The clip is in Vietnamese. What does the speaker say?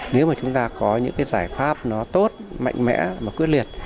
nếu mà chúng ta có những cái giải pháp nó tốt mạnh mẽ và quyết liệt